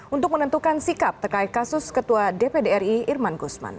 untuk menentukan sikap terkait kasus ketua dpd ri irman gusman